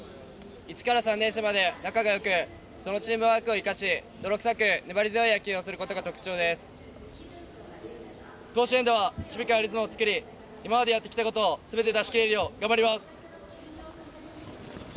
１から３年生まで仲がよくそのチームワークを生かし泥臭く、粘り強い野球を甲子園では守備からリズムを作り今までやってきたことを全て出しきれるよう頑張ります。